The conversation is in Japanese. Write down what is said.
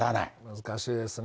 難しいですね。